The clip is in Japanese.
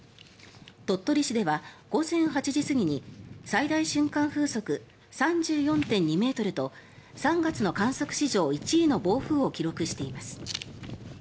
鳥取市では午前８時過ぎに最大瞬間風速３４．２ｍと３月の観測史上１位の暴風を記録しています。